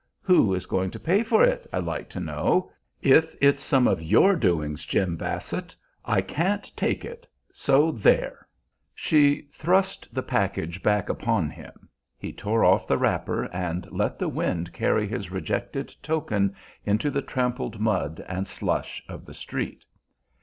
"Who is going to pay for it, I'd like to know? If it's some of your doings, Jim Basset, I can't take it so there!" She thrust the package back upon him. He tore off the wrapper and let the wind carry his rejected token into the trampled mud and slush of the street.